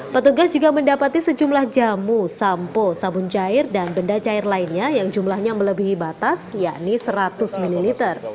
petugas juga mendapati sejumlah jamu sampo sabun cair dan benda cair lainnya yang jumlahnya melebihi batas yakni seratus ml